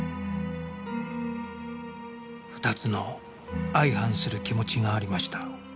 ２つの相反する気持ちがありました